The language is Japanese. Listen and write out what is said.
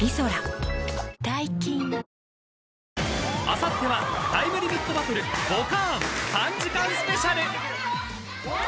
［あさっては『タイムリミットバトルボカーン！』３時間スペシャル］